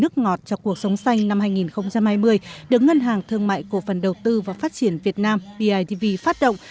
nước ngọt cho cuộc sống xanh năm hai nghìn hai mươi được ngân hàng thương mại cổ phần đầu tư và phát triển việt nam bidv phát động